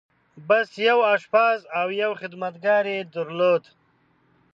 بس! يو آشپز او يو خدمتګار يې درلود.